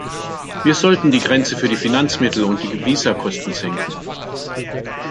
Wir sollten die Grenze für die Finanzmittel und die Visakosten senken.